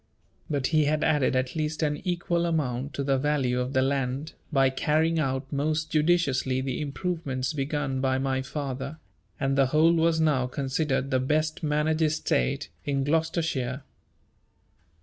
But he had added at least an equal amount to the value of the land, by carrying out most judiciously the improvements begun by my father; and the whole was now considered the best managed estate in Gloucestershire.